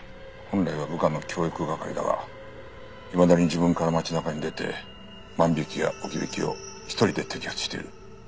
本来は部下の教育係だがいまだに自分から町中に出て万引きや置き引きを一人で摘発している。